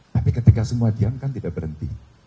tapi ketika semua diam kan tidak berhenti